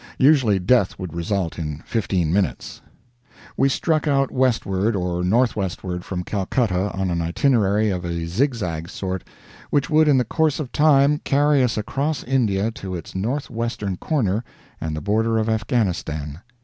Usually death would result in fifteen minutes. We struck out westward or northwestward from Calcutta on an itinerary of a zig zag sort, which would in the course of time carry us across India to its northwestern corner and the border of Afghanistan.